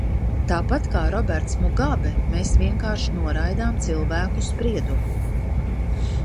Tāpat kā Robert Mugabe mēs vienkārši noraidām cilvēku spriedumu.